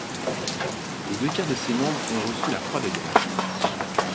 Les deux tiers de ses membres ont reçu la croix de guerre.